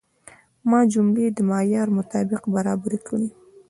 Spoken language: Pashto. ما جملې د معیار مطابق برابرې کړې.